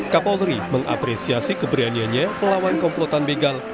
kapolri mengapresiasi keberaniannya melawan komplotan begal